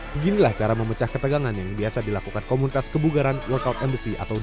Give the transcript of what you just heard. beginilah cara memecah ketegangan yang biasa dilakukan komunitas kebugaran workout emisi atau